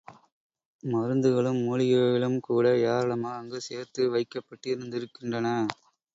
மருந்துகளும் மூலிகைகளும் கூட ஏராளமாக அங்கு சேர்த்து வைக்கப்பட்டிருந்திருக்கின்றன.